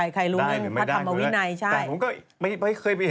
ใครรู้นี่พระธรรมาวิทในใช่